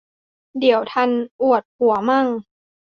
เดี๋ยวทันอวดผัวมั่ง